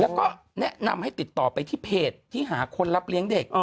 แล้วก็แนะนำให้ติดต่อไปที่เพจที่หาคนรับเลี้ยงเด็ก